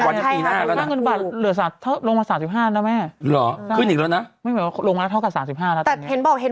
น้ำมันปุ่งไม่ต้องลงคนปีหน้าน้ำมันก็ขึ้น